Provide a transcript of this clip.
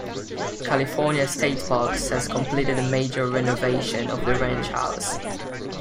California State Parks has completed a major renovation of the ranch house.